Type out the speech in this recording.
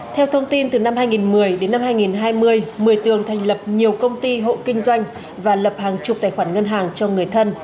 theo thông tin từ năm hai nghìn một mươi đến năm hai nghìn hai mươi mười tường thành lập nhiều công ty hộ kinh doanh và lập hàng chục tài khoản ngân hàng cho người thân